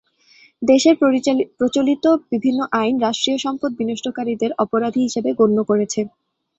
দেশের প্রচলিত বিভিন্ন আইন রাষ্ট্রীয় সম্পদ বিনষ্টকারীদের অপরাধী হিসেবে গণ্য করেছে।